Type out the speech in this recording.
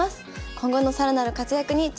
今後の更なる活躍に注目です。